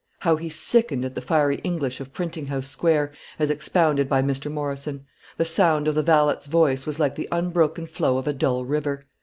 How he sickened at the fiery English of Printing House Square, as expounded by Mr. Morrison! The sound of the valet's voice was like the unbroken flow of a dull river.